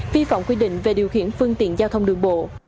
vi phạm quy định về điều khiển phương tiện giao thông đường bộ